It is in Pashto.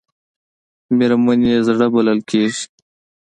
مېرمنې یې زړه بلل کېږي .